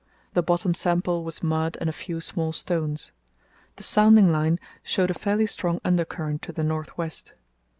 The bottom sample was mud and a few small stones. The sounding line showed a fairly strong undercurrent to the north west.